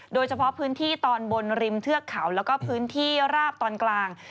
โดยเฉพาะพื้นที่ตอนบนริมเทือกเขาแล้วก็พื้นที่ราบตอนกลาง